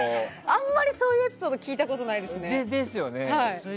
あまりそういうエピソード聞いたことないですね。ですよね。